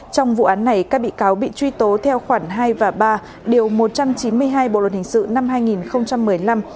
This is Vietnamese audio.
trong vụ án này các bị cáo bị truy tố theo khoản hai và ba điều một trăm chín mươi hai bộ luật hình sự năm hai nghìn một mươi năm